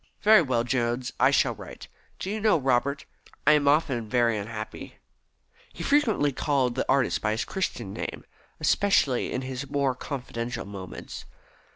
Very well, Jones. I shall write. Do you know, Robert, I am often very unhappy." He frequently called the young artist by his Christian name, especially in his more confidential moments.